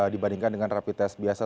dibandingkan dengan rapi tes biasa